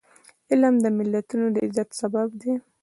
علم د ملتونو د عزت سبب دی.